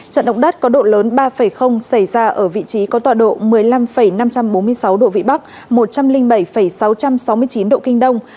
trận động đất có độ lớn ba xảy ra ở vị trí có tọa độ một mươi năm năm trăm bốn mươi sáu độ vĩ bắc một trăm linh bảy sáu trăm sáu mươi chín độ kinh đông